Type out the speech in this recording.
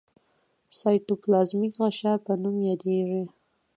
سایټوپلازمیک غشا په نوم یادیږي.